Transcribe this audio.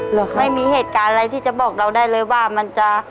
เหรอคะไม่มีเหตุการณ์อะไรที่จะบอกเราได้เลยว่ามันจะ